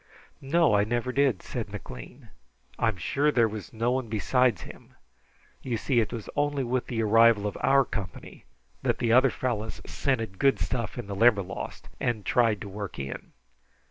"No, I never did," said McLean. "I am sure there was no one besides him. You see, it was only with the arrival of our company that the other fellows scented good stuff in the Limberlost, and tried to work in.